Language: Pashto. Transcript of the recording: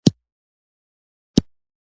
کوتره کله ناکله لاس ته راځي.